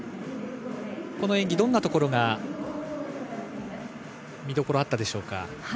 どんなところが見どころがあったでしょうか。